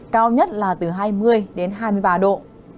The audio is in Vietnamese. cao nhất là từ hai mươi đến hai mươi ba độ